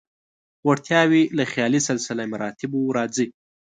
وړتیاوې له خیالي سلسله مراتبو راځي.